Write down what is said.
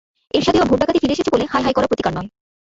এরশাদীয় vote ডাকাতি ফিরে এসেছে বলে হায় হায় করা প্রতিকার নয়।